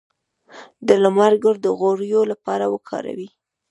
د لمر ګل د غوړیو لپاره وکاروئ